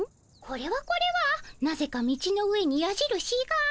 これはこれはなぜか道の上にやじるしが。